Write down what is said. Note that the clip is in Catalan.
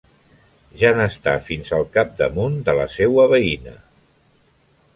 Ja n’està fins al capdamunt que la seua veïna.